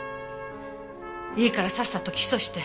いいからさっさと起訴して。